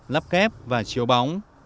lắp kép và chiếu bóng